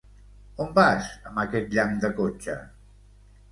On vas amb aquest llamp de cotxe?